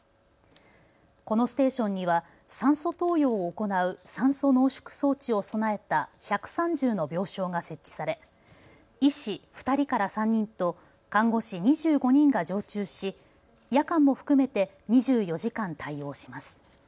このステーションには酸素投与を行う酸素濃縮装置を備えた１３０の病床が設置され医師２人から３人と看護師２５人が常駐し夜間も含めて２４時間対応します。